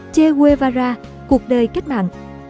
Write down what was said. che guevara cuộc đời cách mạng